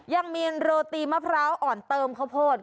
ยังมีโรตีมะพร้าวอ่อนเติมข้าวโพด